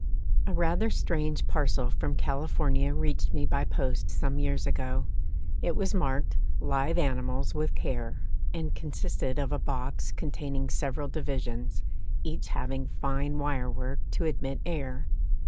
A rather strange parcel from California reached me by post some years ago. It was marked "Live animals with care," and consisted of a box, containing several divisions, each having fine wire work to admit air.